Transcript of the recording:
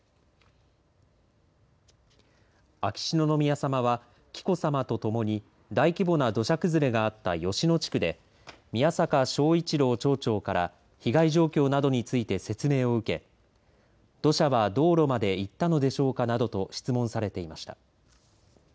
秋篠宮さまは紀子さまとともに大規模な土砂崩れがあった吉野地区で宮坂尚市朗町長から被害状況などについて説明を受け土砂は道路までいったのでしょうかなどと質問されていました。